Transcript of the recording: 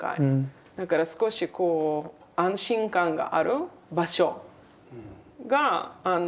だから少しこう安心感がある場所が作れる。